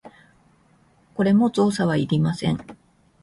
これも造作はいりません。